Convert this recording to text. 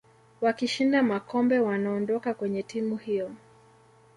wakishinda makombe wanaondoka kwenye timu hiyo